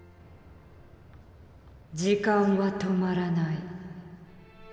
時間は止まらない。